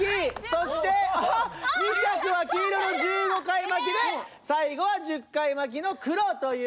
そしてあっ２着は黄色の１５回巻きで最後は１０回巻きの黒という事でした。